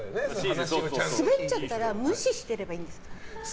スベっちゃったら無視してればいいんですか？